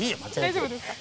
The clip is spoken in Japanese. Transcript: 大丈夫ですか。